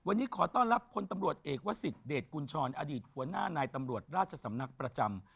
วันนี้ขอต้อนรับพลตำรวจเอกวสิทธเดชกุญชรอดีตหัวหน้านายตำรวจราชสำนักประจำ